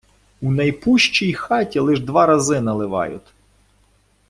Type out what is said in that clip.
у найпущій хаті лиш два рази наливают